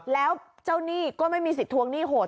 แล้วเจ้าหนี้ก็ไม่มีสิทธิทวงหนี้โหด